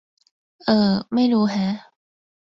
เอ่อ ไม่รู้แฮะ